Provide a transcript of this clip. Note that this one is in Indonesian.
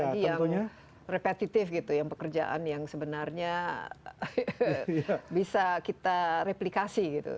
apalagi yang repetitif gitu yang pekerjaan yang sebenarnya bisa kita replikasi gitu